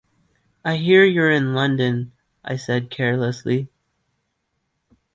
"I hear you're in London," I said carelessly.